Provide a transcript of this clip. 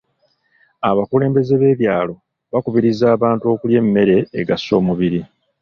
Abakulembeze b'ebyalo bakubirizza abantu okulya emmere egasa omubiri.